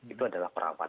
itu adalah perawat